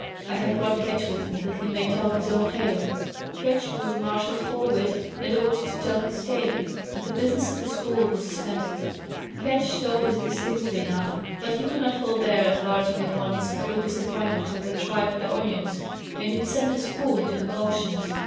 I have brought Ketch with me that he may tell his own tale." Ketch was marshalled forward and ordered to tell his tale, and the business of the school was suspended. Ketch told it distinctly enough; but he could not forbear enlarging upon his cruel disappointment over the tripe and onions, and it sent the school into convulsions.